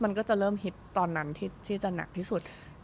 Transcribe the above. มันก็จะเริ่มฮิตตอนนั้นที่จะหนักที่สุด